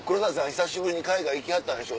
久しぶりに海外行きはったんでしょ？